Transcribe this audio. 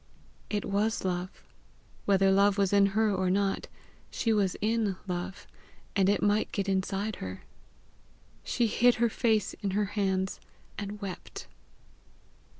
It was love. Whether love was in her or not, she was in love and it might get inside her. She hid her face in her hands, and wept.